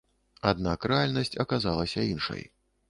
Аднак рэальнасць аказалася іншай.